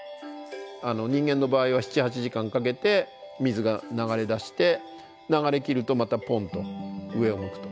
人間の場合は７８時間かけて水が流れ出して流れきるとまたポンと上を向くと。